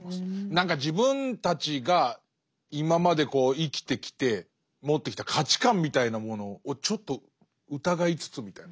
何か自分たちが今まで生きてきて持ってきた価値観みたいなものをちょっと疑いつつみたいな。